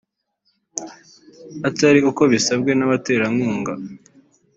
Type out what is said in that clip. atari uko bisabwe n’abaterankunga